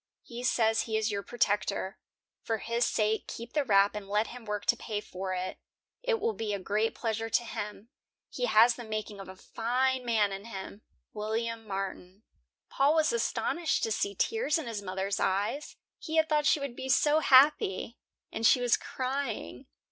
He says he is your protector. For his sake keep the wrap and let him work to pay for it. It will be a great pleasure to him. He has the making of a fine man in him. WILLIAM MARTIN." Paul was astonished to see tears in his mothers eyes; he had thought she would be so happy, and she was crying.